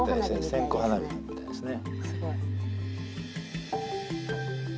線香花火みたいですね。